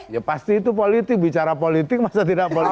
ya pasti itu politik bicara politik masa tidak politik